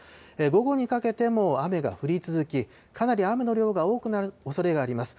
午後にかけても雨が降り続き、かなり雨の量が多くなるおそれがあります。